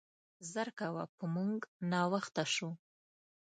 زر کوه, په مونګ ناوخته شو.